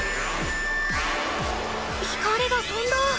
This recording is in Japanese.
光がとんだ！